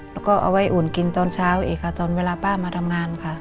แล้วก็เอาไว้อุ่นกินตอนเช้าอีกค่ะตอนเวลาป้ามาทำงานค่ะ